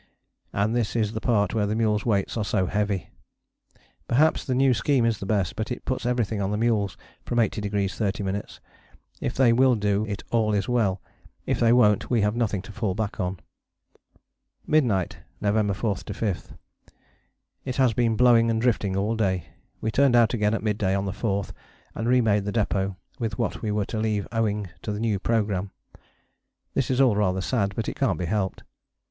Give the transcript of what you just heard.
And this is the part where the mules' weights are so heavy. Perhaps the new scheme is the best, but it puts everything on the mules from 80° 30´: if they will do it all is well: if they won't we have nothing to fall back on. Midnight, November 4 5. It has been blowing and drifting all day. We turned out again at mid day on the 4th, and re made the depôt with what we were to leave owing to the new programme. This is all rather sad, but it can't be helped.